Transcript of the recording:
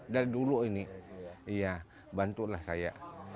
dari dulu ini iya bantulah saya